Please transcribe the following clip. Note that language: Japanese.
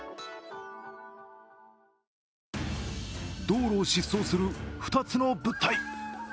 道路を疾走する２つの物体。